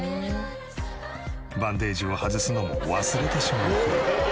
バンデージを外すのも忘れてしまうほど。